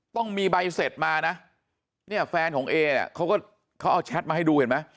ต้องมีใบเสร็จมานะเนี่ยแฟนของเอเนี่ยเขาก็เขาเอาแชทมาให้ดูเห็นไหม